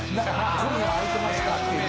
今夜空いてますかっていう。